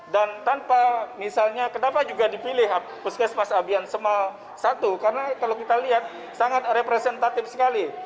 dan tanpa misalnya kenapa juga dipilih puskesmas abiansema i karena kalau kita lihat sangat representatif sekali